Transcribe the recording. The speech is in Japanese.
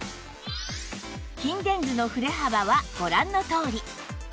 筋電図の振れ幅はご覧のとおり